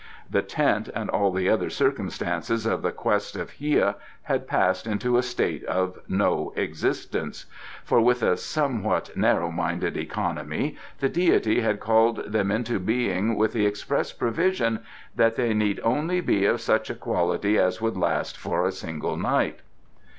The tent and all the other circumstances of the quest of Hia had passed into a state of no existence, for with a somewhat narrow minded economy the deity had called them into being with the express provision that they need only be of such a quality as would last for a single night.